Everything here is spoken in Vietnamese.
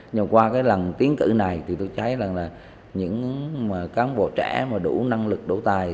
nhưng qua cái lần tiến cử này thì tôi thấy rằng là những cán bộ trẻ mà đủ năng lực đủ tài